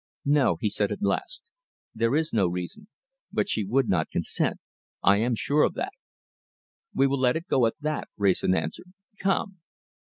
"No!" he said at last, "there is no reason. But she would not consent. I am sure of that." "We will let it go at that," Wrayson answered. "Come!"